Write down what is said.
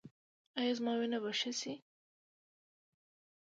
ایا زما وینه به ښه شي؟